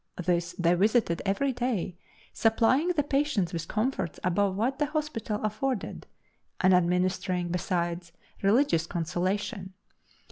This they visited every day, supplying the patients with comforts above what the hospital afforded, and administering, besides, religious consolation.